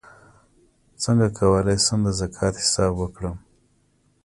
څنګه کولی شم د زکات حساب وکړم